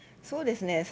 そうですね。